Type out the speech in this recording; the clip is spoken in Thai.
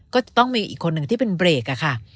ก็จะต้องมีอีกคนหนึ่งที่เป็นเบรกอะค่ะ